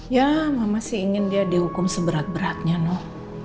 ya mama sih ingin dia dihukum seberat beratnya noh